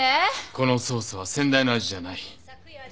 このソースは先代の味じゃない。